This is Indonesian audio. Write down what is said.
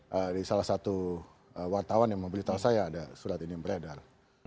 dari salah satu wartawan yang memberitahu saya ada surat ini yang beredar